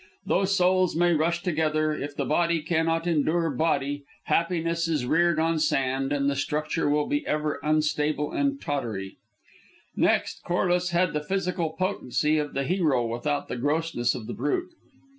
Though souls may rush together, if body cannot endure body, happiness is reared on sand and the structure will be ever unstable and tottery. Next, Corliss had the physical potency of the hero without the grossness of the brute.